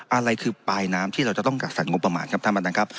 อะไรคือปลายน้ำที่เราจะต้องจัดสรรงบประมาณครับท่านประธานครับ